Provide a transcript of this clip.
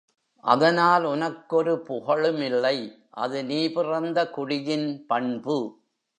அதனால் உனக்கொரு புகழுமில்லை அது நீ பிறந்த குடியின் பண்பு.